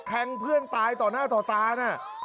แทงเพื่อนตายต่อหน้าต่อตานะ